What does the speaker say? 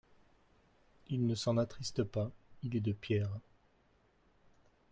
Il ne s'en attriste pas: il est de pierre.